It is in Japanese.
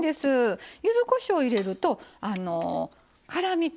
ゆずこしょう入れると辛みと